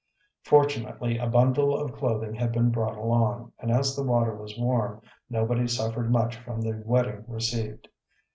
Fortunately a bundle of clothing had been brought along, and as the water was warm, nobody suffered much from the wetting received.